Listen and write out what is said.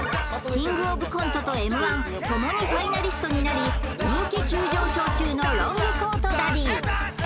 キングオブコントとＭ−１ともにファイナリストになり人気急上昇中のロングコートダディ